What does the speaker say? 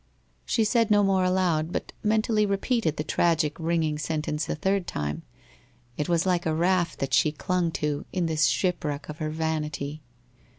' She said no more aloud, but mentally repeated the tragic ringing sentence a third time. It was like a raft that she clung to in this shipwreck of her vanity.